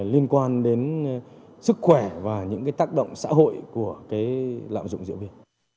liên quan đến sức khỏe và những cái tác động xã hội của cái lạm dụng rượu bia